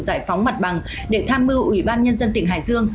giải phóng mặt bằng để tham mưu ủy ban nhân dân tỉnh hải dương